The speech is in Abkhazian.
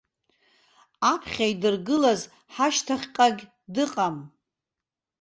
Аԥхьа идыргылаз ҳашьҭахьҟагь дыҟам.